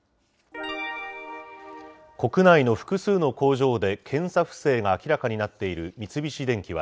国内の複数の工場で検査不正が明らかになっている三菱電機は、